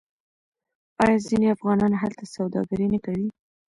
آیا ځینې افغانان هلته سوداګري نه کوي؟